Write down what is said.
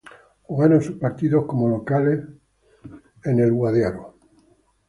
Jugaron sus partidos como locales en el Wrigley Field de Chicago.